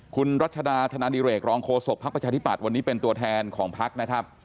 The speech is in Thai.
คุณรัชดาธนดิเรกรองโคศกภาคประชาธิบัติวันนี้เป็นตัวแทนของภาคนะครับ